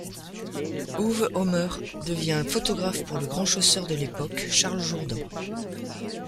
Uwe Ommer devient photographe pour le grand chausseur de l’époque, Charles Jourdan.